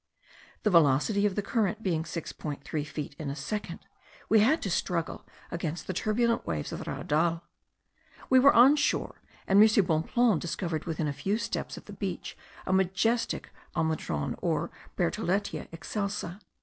The velocity of the current being 6.3 feet in a second, we had to struggle against the turbulent waves of the Raudal. We went on shore, and M. Bonpland discovered within a few steps of the beach a majestic almendron, or Bertholletia excelsa.